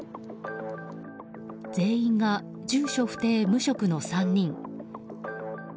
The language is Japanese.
全員が住所不定・無職の３人。